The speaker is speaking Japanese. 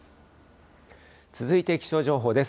続いて気象情報です。